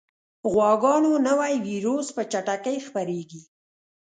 غواګانو نوی ویروس په چټکۍ خپرېږي.